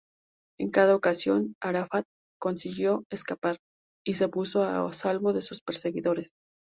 En cada ocasión, Arafat consiguió escapar, y se puso a salvo de sus perseguidores.